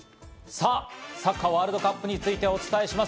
サッカーワールドカップについてお伝えします。